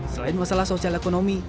selain masalah sosial ekonomi